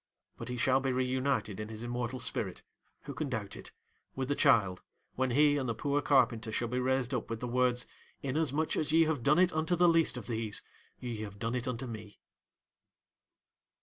But he shall be re united in his immortal spirit—who can doubt it!—with the child, when he and the poor carpenter shall be raised up with the words, 'Inasmuch as ye have done it unto the least of these, ye have done it unto Me.